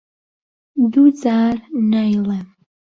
دوو جار نایڵێم.